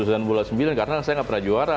susahan bola sembilan karena saya nggak pernah juara